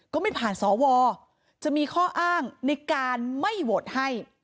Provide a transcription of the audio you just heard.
ก็ไม่ผ่านสวจะมีข้ออ้างในการไม่โหวตให้